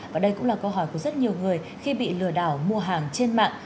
và đây cũng là câu hỏi của rất nhiều người khi bị lừa đảo mua hàng trên mạng